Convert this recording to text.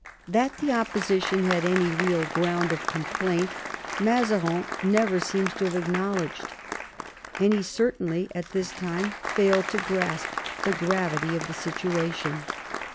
That the opposition had any real ground of complaint Mazarin never seems to have acknowledged, and he certainly at this time failed to grasp the gravity of the situation.